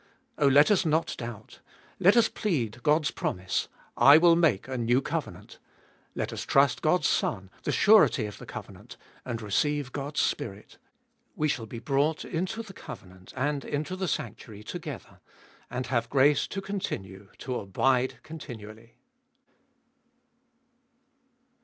Oh, let us not doubt. Let us plead God's promise, I will make a new covenant. Let us trust God's Son, the surety of the covenant, and receive God's Spirit — we shall be brought into the covenant, and into the sanctuary together, and have grace to continue, to abide continually.